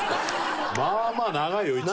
まあまあ長いよ１時間。